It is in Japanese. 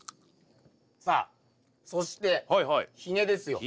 さあそしてひげですよ。